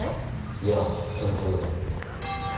いやそれほどでも。